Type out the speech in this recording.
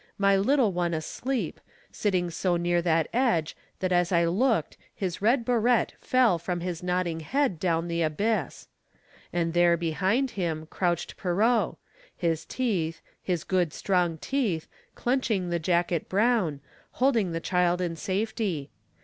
My little one asleep, sitting so near That edge that as I looked his red barette Fell from his nodding head down the abyss. And there, behind him, crouched Pierrot; his teeth, His good, strong teeth, clenching the jacket brown, Holding the child in safety.